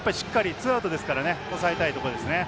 ツーアウトですから抑えたいところですね。